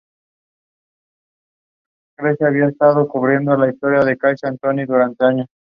La publicación se publica bajo